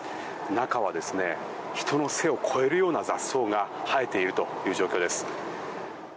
中は人の背を超えるような雑草が生えているという状況です。